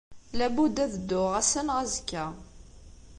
Labudd ad dduɣ, ass-a neɣ azekka.